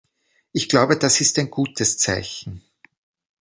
Ich glaube, das ist ein gutes Zeichen.